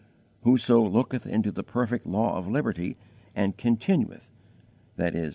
"Whoso looketh into the perfect law of liberty and continueth" (i.e.